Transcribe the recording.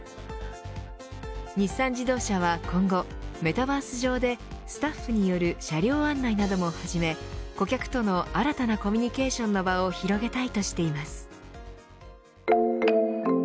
日産自動車は今後、メタバース上でスタッフによる車両案内なども始め顧客との新たなコミュニケーションの場を広げたいとしています。